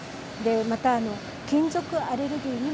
また、金属アレルギーにも